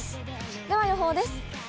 では予報です。